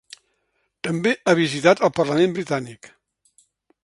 També ha visitat el parlament britànic.